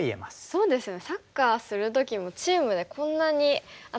そうですね。